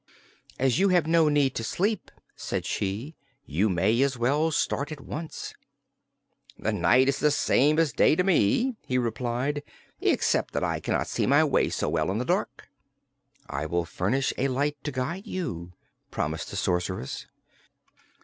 "As you have no need to sleep," said she, "you may as well start at once." "The night is the same as day to me," he replied, "except that I cannot see my way so well in the dark." "I will furnish a light to guide you," promised the Sorceress.